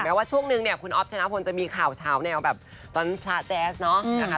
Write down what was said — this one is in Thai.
ว่าช่วงนึงเนี่ยคุณอ๊อฟชนะพลจะมีข่าวเช้าแนวแบบตอนพระแจ๊สเนาะนะคะ